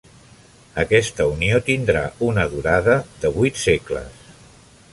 Aquesta unió tindrà una durada de vuit segles.